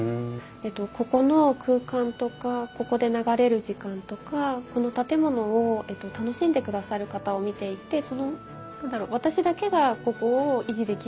ここの空間とかここで流れる時間とかこの建物を楽しんでくださる方を見ていてその何だろう私だけがここを維持できるとは思ってないんです。